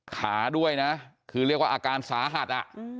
ขาด้วยนะคือเรียกว่าอาการสาหัส